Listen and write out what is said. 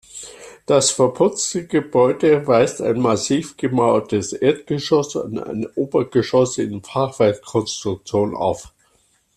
Das verputzte Gebäude weist ein massiv gemauertes Erdgeschoss und ein Obergeschoss in Fachwerkkonstruktion auf.